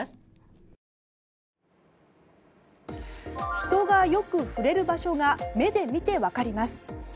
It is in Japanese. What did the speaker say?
人が良く触れる場所が目で見て分かります。